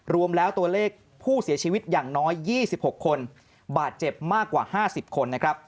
รวมแล้วตัวเลขผู้เสียชีวิตอย่างน้อย๒๖คนบาดเจ็บมากกว่า๕๐คนนะครับ